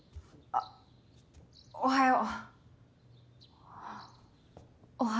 あおはよう。